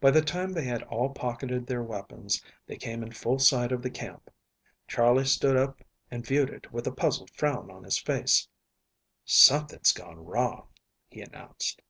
By the time they had all pocketed their weapons they came in full sight of the camp. Charley stood up and viewed it with a puzzled frown on his face. "Something's gone wrong," he announced.